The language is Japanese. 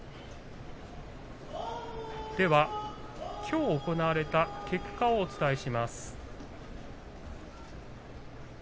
きょう行われた結果をお伝えします。